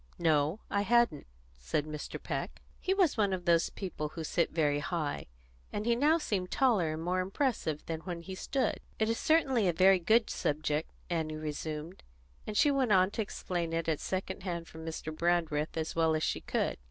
"No, I hadn't," said Mr. Peck. He was one of those people who sit very high, and he now seemed taller and more impressive than when he stood. "It is certainly a very good object," Annie resumed; and she went on to explain it at second hand from Mr. Brandreth as well as she could.